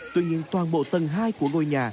tuy nhiên toàn bộ tầng hai của ngôi nhà